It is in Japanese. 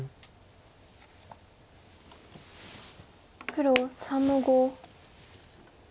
黒３の五。